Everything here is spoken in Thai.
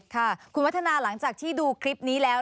ค่ะคุณวัฒนาหลังจากที่ดูคลิปนี้แล้ว